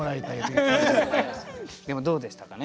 でもどうでしたかね？